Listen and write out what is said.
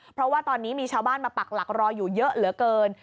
เพราะว่าตอนนี้มีชาวบ้านมาปักหลักรออยู่เยอะเหลือเกิน